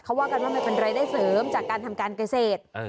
เขาว่ากันว่ามันเป็นรายได้เสริมจากการทำการเกษตร